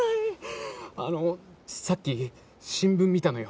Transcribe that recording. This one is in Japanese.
あのさっき新聞見たのよ。